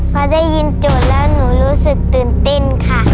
พอได้ยินโจทย์แล้วหนูรู้สึกตื่นเต้นค่ะ